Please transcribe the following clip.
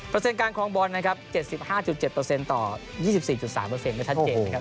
เปอร์เซ็นต์การคล้องบอลนะครับ๗๕๗ต่อ๒๔๓ไม่ชัดเจนนะครับ